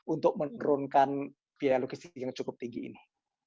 untuk menurunkan biaya logistik yang cukup tinggi ini